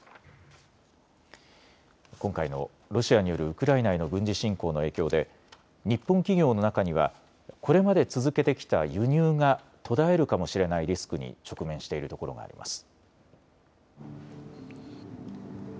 今回のロシアによるウクライナへの軍事侵攻の影響で日本企業の中にはこれまで続けてきた輸入が途絶えるかもしれないリスクに直面しているところがあります。